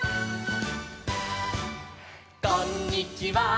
「こんにちは」